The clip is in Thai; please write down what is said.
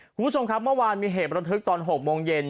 คุณผู้ชมครับเมื่อวานมีเหตุประทึกตอน๖โมงเย็น